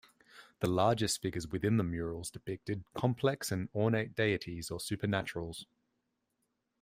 The largest figures within the murals depicted complex and ornate deities or supernaturals.